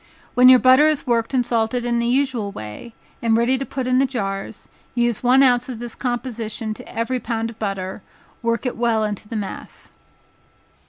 When your butter is worked and salted in the usual way, and ready to put in the jars, use one ounce of this composition to every pound of butter, work it well into the mass.